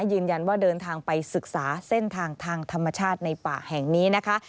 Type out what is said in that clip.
เดินทางไปศึกษาเส้นทางทางธรรมชาติในป่าแห่งนี้นะคะ